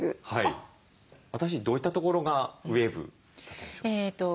私どういったところがウエーブだったでしょう？